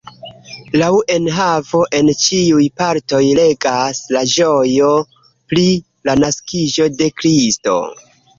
Laŭ enhavo en ĉiuj partoj regas la ĝojo pri la naskiĝo de Kristo.